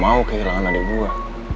kau kehilangan adik gua